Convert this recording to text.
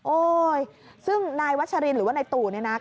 ซึ่งนายวัชรินหรือว่านายตู่เนี่ยนะ